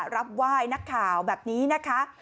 รับไหว้นักข่าวแบบนี้นะคะ